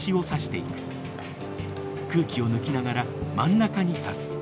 空気を抜きながら真ん中に刺す。